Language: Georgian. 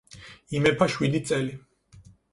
იმეფა შვიდი წელი.